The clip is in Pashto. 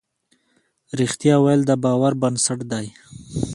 رښتيا ويل د باور بنسټ دی.